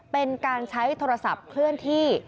เป็นการใช้โทรศัพท์เคลื่อนที่